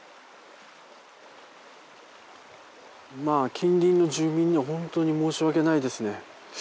まあ近隣の住民には本当に申し訳ないですね。